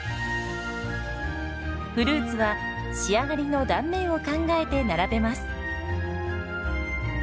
フルーツは仕上がりの断面を考えて並べます。